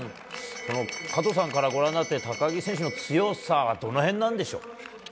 加藤さんからご覧になって高木選手の強さはどの辺なんでしょう？